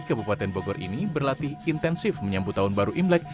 kabupaten bogor ini berlatih intensif menyambut tahun baru imlek